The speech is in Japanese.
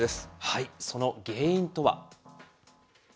その原因とは。